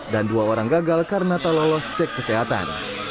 dan dua orang gagal karena telolos cek kesehatan